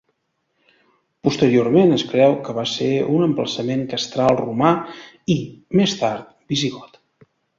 Posteriorment es creu que va ser un emplaçament castral romà i, més tard, visigot.